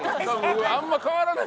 あんま変わらない。